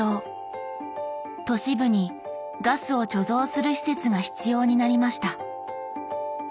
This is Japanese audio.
都市部にガスを貯蔵する施設が必要になりました。